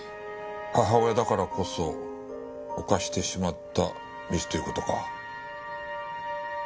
母親だからこそ犯してしまったミスという事か。